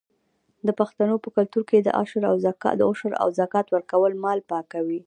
د پښتنو په کلتور کې د عشر او زکات ورکول مال پاکوي.